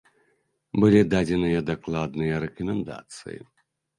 Былі дадзеныя дакладныя рэкамендацыі.